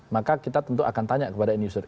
maka kita tentu akan tanya kepada end user